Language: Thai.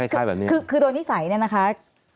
คือโดนนิสัยเนี่ยนะคะ